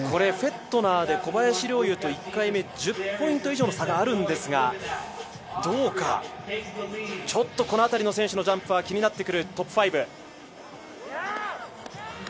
フェットナーで小林陵侑と１０ポイント以上差があるんですが、ちょっとこの辺りの選手のジャンプが気になってくるトップ５。